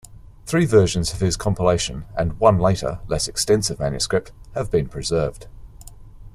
Three versions of his compilation, and one later, less extensive manuscript, have been preserved.